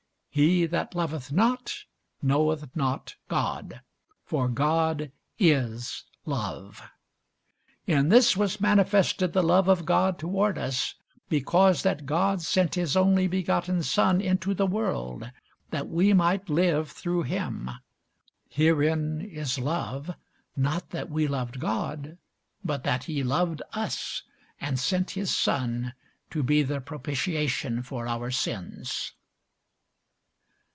He that loveth not knoweth not God; for God is love. In this was manifested the love of God toward us, because that God sent his only begotten Son into the world, that we might live through him. Herein is love, not that we loved God, but that he loved us, and sent his Son to be the propitiation for our sins.